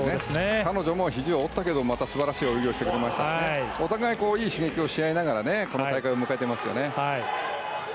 彼女もひじを折ったけどもまた素晴らしい泳ぎをしてくれましたしお互い、いい刺激をし合いながらこの大会を迎えていますよね。